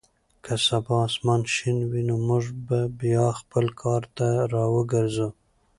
که سبا اسمان شین وي نو موږ به بیا خپل کار ته راوګرځو.